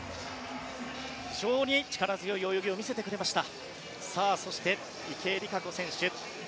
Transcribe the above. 非常に力強い泳ぎを見せてくれました。